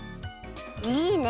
いいね！